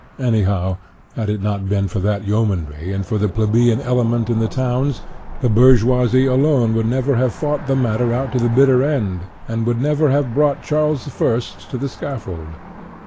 Anyhow, had it not been for that yeomanry and for the plebeian element in the towns, the bourgeoisie alone would never have fought the matter out to the bitter end, and would never have brought Charles I. to the scaffold.